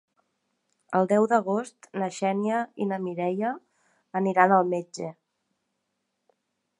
El deu d'agost na Xènia i na Mireia aniran al metge.